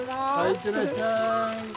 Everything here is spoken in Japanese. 行ってらっしゃい。